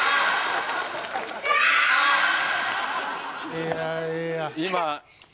いやいや。